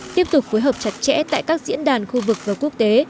tiếp tục phối hợp chặt chẽ tại các diễn đàn khu vực và quốc tế